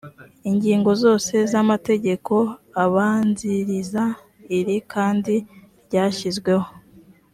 ingingo zose z amategeko abanziriza iri kandi ryashyizweho